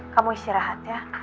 kamu istirahat ya